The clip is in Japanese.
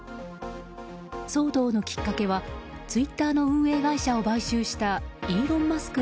騒動のきっかけはツイッターの運営会社を買収したイーロン・マスク